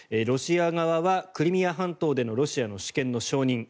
ロシア側は、クリミア半島でのロシアの主権の承認